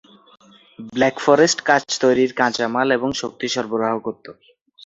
Black forest কাচ তৈরির কাঁচামাল এবং শক্তি সরবরাহ করত।